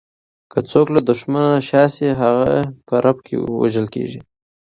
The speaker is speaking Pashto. که څوک له دښمنه شا شي، هغه په رپ کې وژل کیږي.